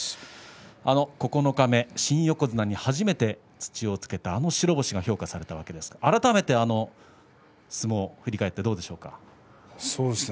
九日目、新横綱に初めて黒星をつけたあれが評価されたわけですが改めて振り返ってどうでしょうか。